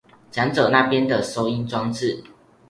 講者那邊的收音裝置